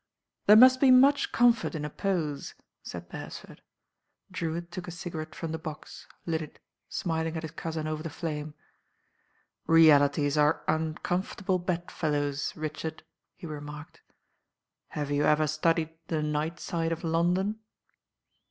"There must be much comfort in a pose, said Beresford. Drewltt. took a cigarette from the box, lit it, smiling at his cousin over the flame. "Realities are uncomfortable bedfellows, Rich ard," he remarked. "Have you ever studied the night slde of London?"